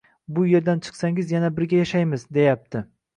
Bu erdan chiqsangiz yana birga yashaymiz, deyapti